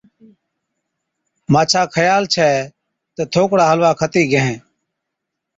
مانڇا خيال ڇَي تہ ٿوڪڙا حلوا کتِي گيهين۔